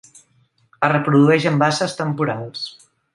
Es reprodueix en basses temporals.